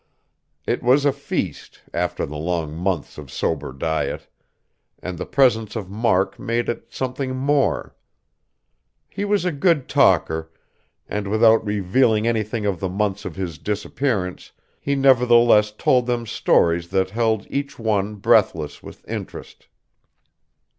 It was a feast, after the long months of sober diet; and the presence of Mark made it something more. He was a good talker, and without revealing anything of the months of his disappearance, he nevertheless told them stories that held each one breathless with interest.